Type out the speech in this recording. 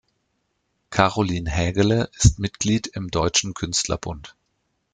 Karolin Hägele ist Mitglied im Deutschen Künstlerbund.